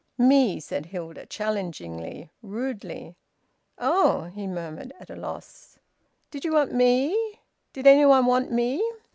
"Me!" said Hilda, challengingly, rudely. "Oh!" he murmured, at a loss. "Did you want me? Did any one want me?"